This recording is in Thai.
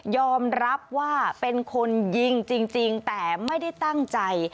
อมรับว่าเป็นคนยิงจริงแต่ไม่ได้ตั้งใจ